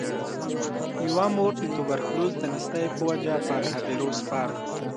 یوه مور د توبرکلوز د نیستۍ په وجه پر هدیرو سپارو.